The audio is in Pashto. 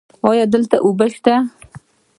ایا دلته اوبه شته؟